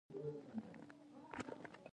اسلامي هېوادونو ته مډرنیزم راغی.